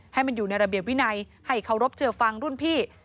ให้มันอยู่ในระเบียบวินัยให้เคารพเจือฟังรุ่นพี่